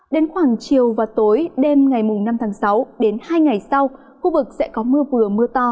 đến khoảng chiều và tối đêm ngày năm tháng sáu đến hai ngày sau khu vực sẽ có mưa vừa mưa to